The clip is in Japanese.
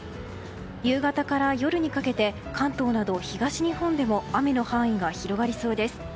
夕方から夜にかけて関東など東日本でも雨の範囲が広がりそうです。